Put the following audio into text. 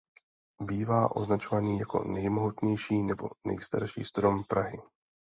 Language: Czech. Bývá označovaný jako nejmohutnější nebo nejstarší strom Prahy.